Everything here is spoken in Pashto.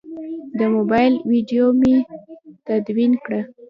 د موبایل ویدیو مې تدوین کړه.